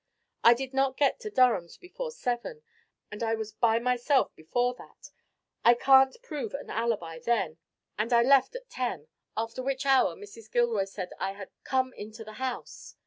I did not get to Durham's before seven, and I was by myself before that. I can't prove an alibi then, and I left at ten, after which hour Mrs. Gilroy said I had come into the house.